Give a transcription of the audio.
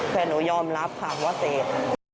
แฟนหนูยอมรับค่ะว่าเสพ